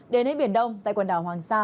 đến đến biển đông tại quần đảo hoàng sa